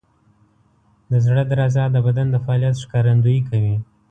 د زړه درزا د بدن د فعالیت ښکارندویي کوي.